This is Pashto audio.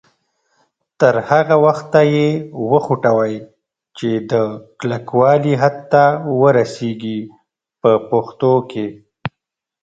تر هغه وخته یې وخوټوئ چې د کلکوالي حد ته ورسیږي په پښتو کې.